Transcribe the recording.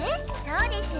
そうです。